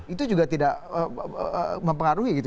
itu juga tidak mempengaruhi gitu